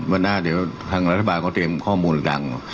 วันหน้าธางรัฐบาลเดี๋ยวเขาเตรียมข้อมูลกัน